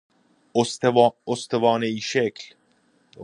استوانه ای شکل